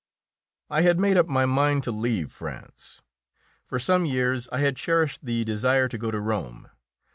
I had made up my mind to leave France. For some years I had cherished the desire to go to Rome.